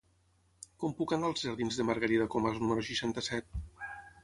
Com puc anar als jardins de Margarida Comas número seixanta-set?